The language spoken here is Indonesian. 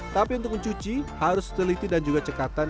tapi untuk mencuci harus teliti dan juga cekatan